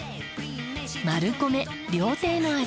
マルコメ料亭の味。